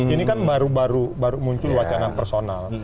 ini kan baru baru muncul wacana personal